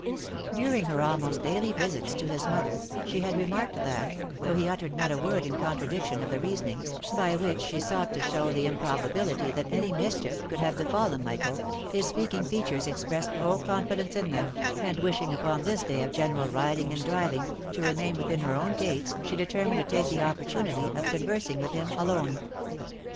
During her almost daily visits to his mother, she had remarked that, though he uttered not a word in contradiction of the reasonings, by which she sought to show the improbability that any mischief could have befallen Michael, his speaking features ex pressed no confidence in them, and wishing upon this day of general riding and driving, to remain within her own gates, she determined to take the opportunity of conversing with him alone.